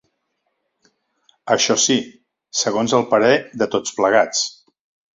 Això si, segons el parer de tots plegats